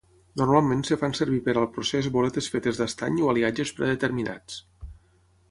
Normalment es fan servir per al procés boletes fetes d'estany o aliatges predeterminats.